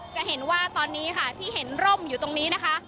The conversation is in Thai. จะเห็นว่าตอนนี้ค่ะที่เห็นร่มอยู่ตรงนี้นะคะ